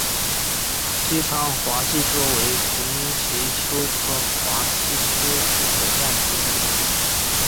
西昌华吸鳅为平鳍鳅科华吸鳅属的淡水鱼类。